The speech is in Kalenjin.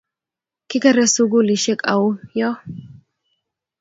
Kikere sukulisyek au yo?